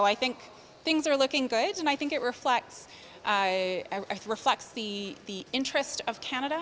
jadi saya pikir hal ini terlihat bagus dan saya pikir itu menggambarkan kepentingan kanada